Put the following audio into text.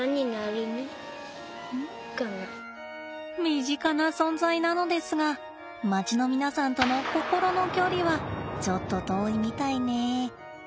身近な存在なのですが街の皆さんとの心の距離はちょっと遠いみたいね。